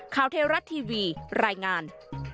ข่าวเทวรัตน์ทีวีรายงาน